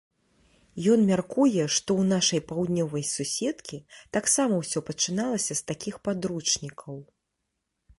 Ён мяркуе, што ў нашай паўднёвай суседкі таксама ўсё пачыналася з такіх падручнікаў.